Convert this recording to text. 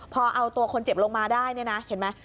พอเอาตัวคนเจ็บลงมาได้เห็นไหม